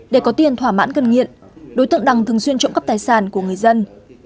để có tiền thỏa mãn cân nghiện đối tượng đăng thường xuyên trộm cắp tài sản của người dân